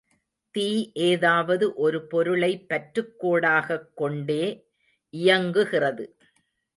தீ ஏதாவது ஒரு பொருளை பற்றுக்கோடாகக் கொண்டே இயங்குகிறது.